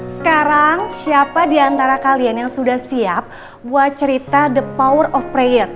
sekarang siapa di antara kalian yang sudah siap buat cerita the power of player